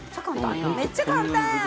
めっちゃ簡単やん。